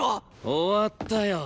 終わったよ。